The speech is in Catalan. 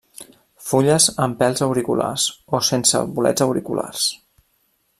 Fulles amb pèls auriculars, o sense bolets auriculars.